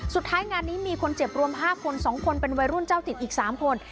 สุดท้ายงานนี้มีคนเจ็บรวม๕คน๒คนเป็นวัยรุ่นเจ้าติดอีก๓คน